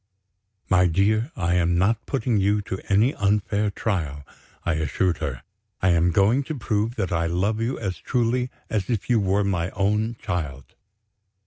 "My dear, I am not putting you to any unfair trial," I assured her; "I am going to prove that I love you as truly as if you were my own child."